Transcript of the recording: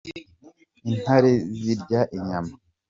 Intare zirya inyama.